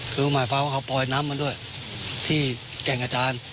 คือหมายความว่าเขาปล่อยน้ำมาด้วยที่แก่งกระจาน